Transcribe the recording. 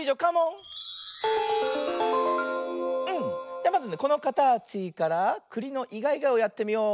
じゃあまずねこのかたちからくりのイガイガをやってみよう。